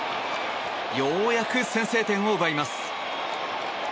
ようやく先制点を奪います。